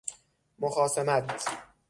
مخاصمت